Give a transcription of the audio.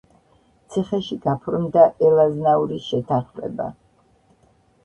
ციხეში გაფორმდა ელაზნაურის შეთანხმება.